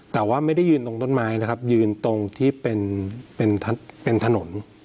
แต่ว่าไม่ได้ยืนตรงต้นไม้นะครับยืนตรงที่เป็นถนน